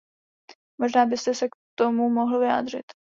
Možná byste se k tomu mohl vyjádřit.